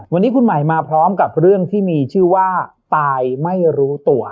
วันนี้คุณใหม่มาพร้อมกับเรื่องที่มีชื่อว่าตายไม่รู้ตัว